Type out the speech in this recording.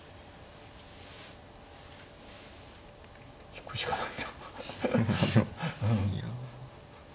引くしかないと。